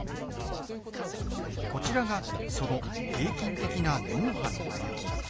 こちらがその平均的な脳波の動き。